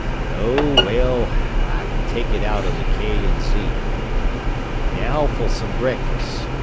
"Oh, well, I can take it out of the K. & Z. "Now for some breakfast.